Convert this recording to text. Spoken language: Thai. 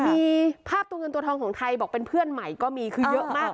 มีภาพตัวเงินตัวทองของไทยบอกเป็นเพื่อนใหม่ก็มีคือเยอะมาก